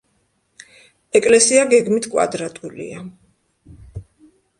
ეკლესია გეგმით კვადრატულია.